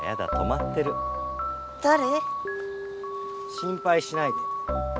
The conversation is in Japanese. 心ぱいしないで。